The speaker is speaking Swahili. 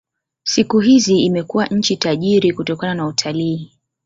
Siku hizi imekuwa nchi tajiri kutokana na utalii.